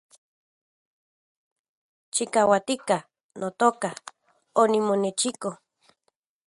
Chikauatika, notoka , onimonechiko